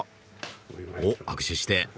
おっ握手して。